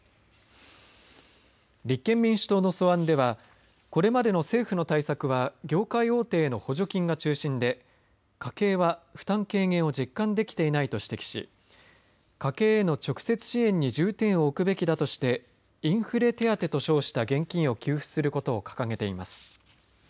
立憲民主党の素案ではこれまでの政府の対策は業界大手への補助金が中心で家計は負担軽減を実感できていないと指摘し家計の直接支援に重点を置くべきだとしてインフレ手当と称した現金を給付することを掲げています。